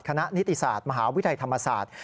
นิติศาสตร์มหาวิทยาลัยธรรมศาสตร์